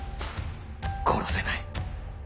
殺せない